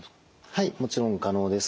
はいもちろん可能です。